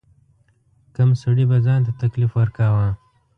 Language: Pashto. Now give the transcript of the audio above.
کم سړي به ځان ته تکلیف ورکاوه.